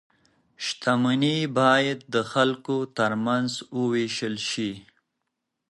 شتمني باید د خلکو ترمنځ وویشل شي.